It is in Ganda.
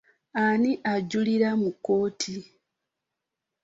Ani ajulira mu kkooti?